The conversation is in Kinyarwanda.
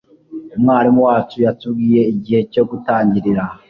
Umwarimu wacu yatubwiye igihe cyo gutangirira